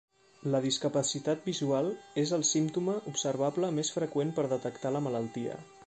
La discapacitat visual és el símptoma observable més freqüent per detectar la malaltia.